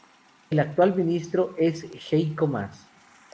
El actual ministro es Heiko Maas.